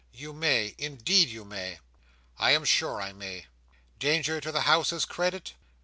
"You may. Indeed you may!" "I am sure I may. Danger to the House's credit?